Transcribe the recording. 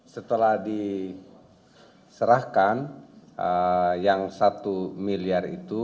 setelah diserahkan yang satu miliar itu